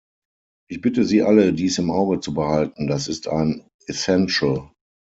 Ich bitte Sie alle, dies im Auge zu behalten, das ist ein essential.